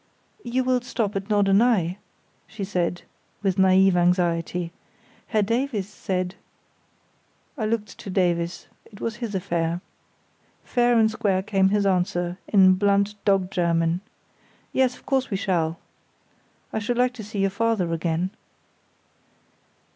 "You will stop at Norderney?" she said, with naïve anxiety. "Herr Davies said——" I looked to Davies; it was his affair. Fair and square came his answer, in blunt dog German. "Yes, of course, we shall. I should like to see your father again."